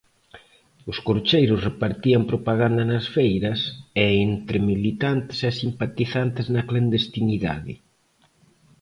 Os Corcheiros repartían propaganda nas feiras e entre militantes e simpatizantes na clandestinidade.